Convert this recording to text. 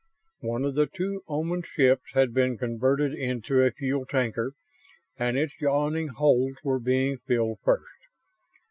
One of the two Oman ships had been converted into a fuel tanker and its yawning holds were being filled first.